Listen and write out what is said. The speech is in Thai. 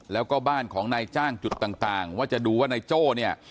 แล้วก็บ้านของนายจ้างจุดต่างว่าจะดูว่านายโจ้เนี่ย